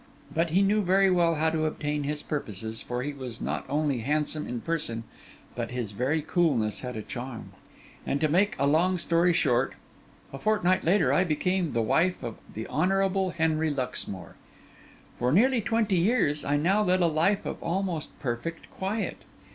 But he knew very well how to obtain his purposes, for he was not only handsome in person, but his very coolness had a charm; and to make a long story short, a fortnight later I became the wife of the Honourable Henry Luxmore. For nearly twenty years I now led a life of almost perfect quiet.